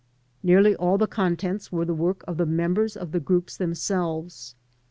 Nearly all the contents were the work of the members of the groups themselves.